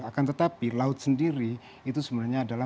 akan tetapi laut sendiri itu sebenarnya adalah